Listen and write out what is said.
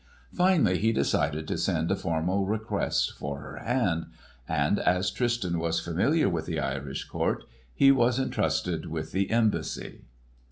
Finally he decided to send a formal request for her hand; and as Tristan was familiar with the Irish court he was entrusted with the embassy.